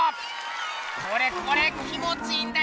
これこれ気もちいいんだよな！